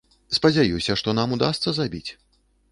Спадзяюся, што нам удасца забіць.